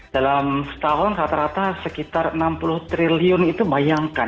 dalam setahun rata rata sekitar enam puluh triliun itu bayangkan